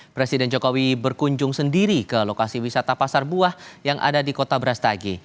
presiden jokowi berkunjung sendiri ke lokasi wisata pasar buah yang ada di kota brastagi